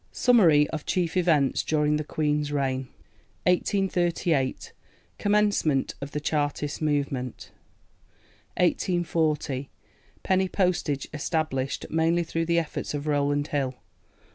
Summary of Chief Events during the Queen's Reign 1838. Commencement of the Chartist Movement. 1840. PENNY POSTAGE ESTABLISHED mainly through the efforts of Rowland Hill.